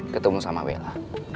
ketemu sama bella